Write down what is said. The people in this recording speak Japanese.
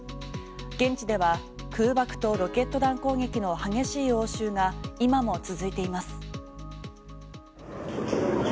現地では空爆とロケット弾攻撃の激しい応酬が今も続いています。